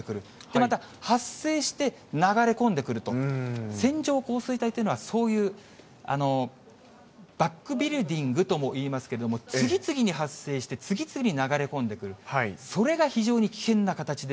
また発生して流れ込んでくると、線状降水帯っていうのは、そういうバックビルディングともいいますけれども、次々に発生して、次々に流れ込んでくる、それが非常に危険な形で。